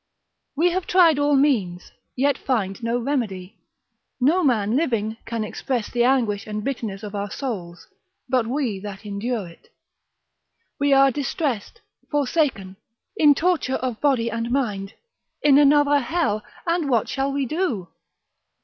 We have tried all means, yet find no remedy: no man living can express the anguish and bitterness of our souls, but we that endure it; we are distressed, forsaken, in torture of body and mind, in another hell: and what shall we do?